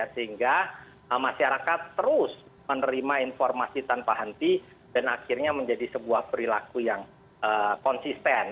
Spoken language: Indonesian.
sehingga masyarakat terus menerima informasi tanpa henti dan akhirnya menjadi sebuah perilaku yang konsisten